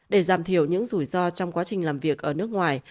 để giảm thiểu những rủi ro trong quá trình làm việc ở nước ngoài